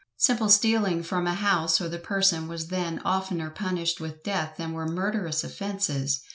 Simple stealing from a house or the person was then oftener punished with death than were murderous offences.